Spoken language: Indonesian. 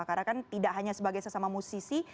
karena kan tidak hanya sebagai sesama musisi